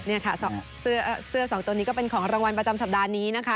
นี่ค่ะเสื้อสองตัวนี้ก็เป็นของรางวัลประจำสัปดาห์นี้นะคะ